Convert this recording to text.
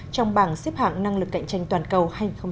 trong bảng xếp hạng năng lực cạnh tranh toàn cầu hai nghìn một mươi chín